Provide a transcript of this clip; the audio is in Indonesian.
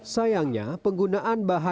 sayangnya penggunaan bahan alam